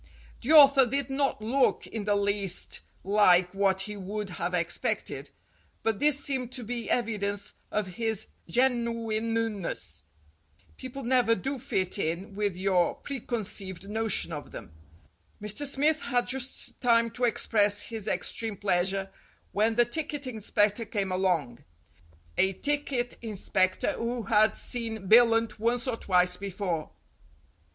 The author did not look in the least like what he would have expected, but this seemed to be evidence of his genuineness. People never do fit ONE HOUR OF FAME 185 in with your preconceived notion of them. Mr. Smith had just time to express his extreme pleasure when the ticket inspector came along a ticket inspector who had seen Billunt once or twice before.